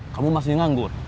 kamu masih nganggur